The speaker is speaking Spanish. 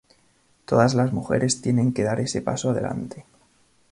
Todas las mujeres tienen que dar ese paso adelante.